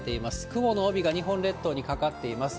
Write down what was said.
雲の帯が日本列島にかかっています。